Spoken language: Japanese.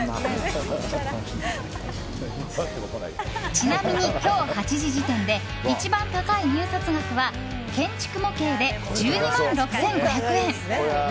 ちなみに今日８時時点で一番高い入札額は建築模型で１２万６５００円。